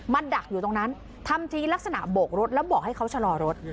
ดักอยู่ตรงนั้นทำทีลักษณะโบกรถแล้วบอกให้เขาชะลอรถ